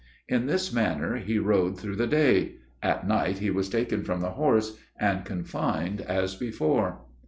In this manner he rode through the day. At night he was taken from the horse, and confined as before.